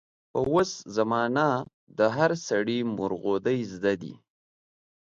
په اوس زمانه د هر سړي مورغودۍ زده دي.